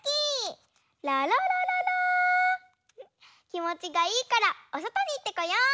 きもちがいいからおそとにいってこよう！